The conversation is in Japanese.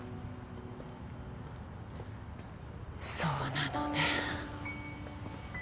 そうなのね